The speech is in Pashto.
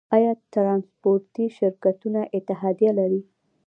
آیا ټرانسپورټي شرکتونه اتحادیه لري؟